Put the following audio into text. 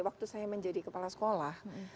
waktu saya menjadi kepala sekolah